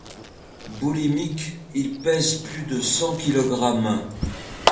Boulimique, il pèse plus de cent kilogrammes.